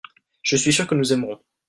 je suis sûr que nous aimerons.